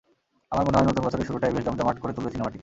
আমার মনে হয়, নতুন বছরের শুরুটাই বেশ জমজমাট করে তুলবে সিনেমাটি।